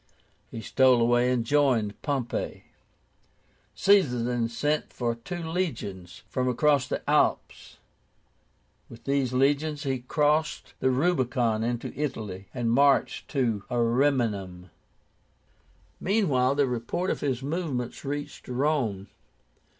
He stole away, and joined Pompey. Caesar then sent for two legions from across the Alps. With these legions he crossed the RUBICON into Italy, and marched to Ariminum. Meanwhile the report of his movements reached Rome.